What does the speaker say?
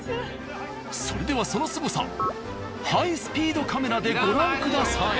それではそのすごさハイスピードカメラでご覧ください。